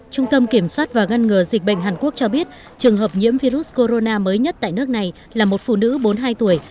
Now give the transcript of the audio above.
trung tâm kiểm soát và ngăn ngừa dịch bệnh hàn quốc cho biết trường hợp nhiễm virus corona mới nhất tại nước này là một phụ nữ bốn mươi hai tuổi